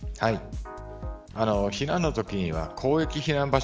避難のときには広域避難場所